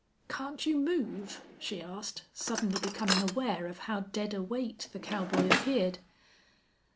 "Can't you move?" she asked, suddenly becoming aware of how dead a weight the cowboy appeared.